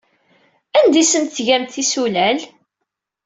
Anda ay asent-tgamt tisulal?